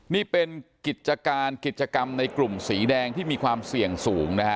นี่เป็นกิจการกิจกรรมในกลุ่มสีแดงที่มีความเสี่ยงสูงนะฮะ